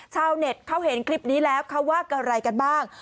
ชาวเน็ตเขาเห็นคลิปนี้แล้วเขาว่าอะไรกันบ้าง